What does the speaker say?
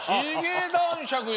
髭男爵よ！